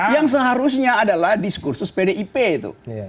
yang seharusnya adalah diskursus pdip itu